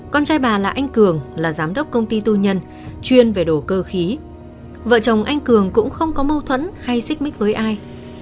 con trai bà là anh cường là giám đốc công ty tư nhân chuyên về đồ cơ khí vợ chồng anh cường cũng không có mâu thuẫn hay xích mích với ai